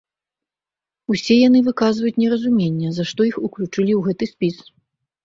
Усе яны выказваюць неразуменне, за што іх уключылі ў гэты спіс.